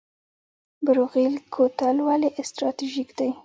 بروغیل کوتل ولې استراتیژیک دی؟